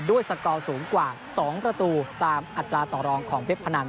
สกอร์สูงกว่า๒ประตูตามอัตราต่อรองของเพชรพนัน